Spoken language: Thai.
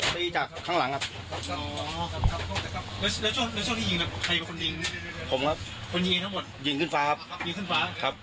ไม่เห็นครับอยู่ไกลครับ